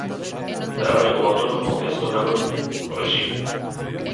"Traballo como autónomo e estou na Coruña", corrixiu.